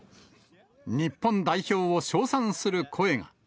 日本代表を称賛する声が。